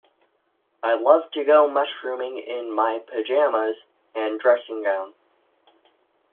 I love to go mushrooming in my pyjamas and dressing gown.